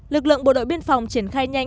lực lượng bộ đội biên phòng triển khai nhanh